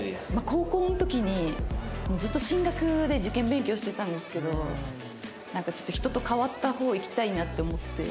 高校の時にずっと進学で受験勉強してたんですけどちょっと人と変わった方いきたいなって思って。